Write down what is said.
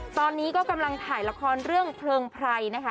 ตอนนี้ก็กำลังถ่ายละครเรื่องเพลิงไพรนะคะ